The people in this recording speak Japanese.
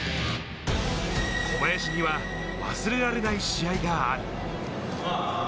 小林には忘れられない試合がある。